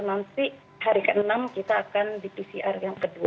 nanti hari ke enam kita akan di pcr yang kedua